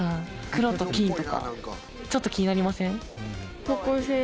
黒と金とかちょっと気になりません？